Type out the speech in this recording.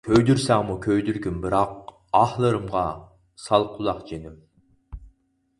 كۆيدۈرسەڭمۇ كۆيدۈرگىن بىراق، ئاھلىرىمغا سال قۇلاق جېنىم.